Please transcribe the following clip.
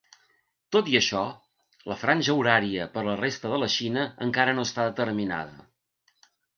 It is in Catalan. Tot i això, la franja horària per a la resta de la Xina encara no està determinada.